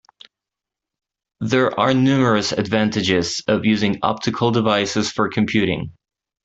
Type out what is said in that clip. There are numerous advantages of using optical devices for computing.